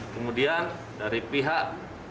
kemudian dari pihak